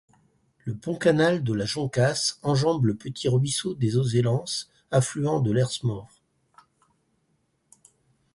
Le pont-canal de la Joncasse enjambe le petit ruisseau des Auzellens affluent de l'Hers-Mort.